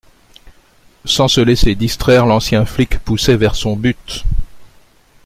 Sans se laisser distraire, l’ancien flic poussait vers son but